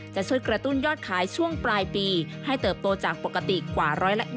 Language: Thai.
จะช่วยกระตุ้นยอดขายช่วงปลายปีให้เติบโตจากปกติกว่า๑๒๐